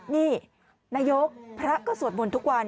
นี่นายกพระก็สวดมนต์ทุกวัน